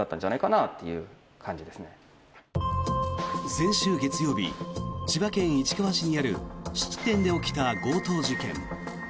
先週月曜日千葉県市川市にある質店で起きた強盗事件。